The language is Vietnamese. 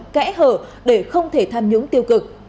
kẽ hở để không thể tham nhũng tiêu cực